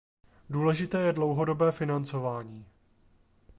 Důležité je dlouhodobé financování.